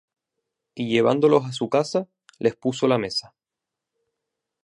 Y llevándolos á su casa, les puso la mesa: